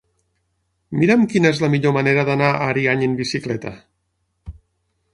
Mira'm quina és la millor manera d'anar a Ariany amb bicicleta.